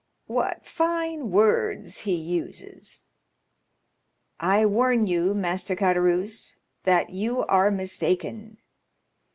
"What fine words he uses!" "I warn you, Master Caderousse, that you are mistaken."